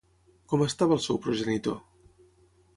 Com estava el seu progenitor?